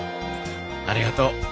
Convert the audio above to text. ありがとう。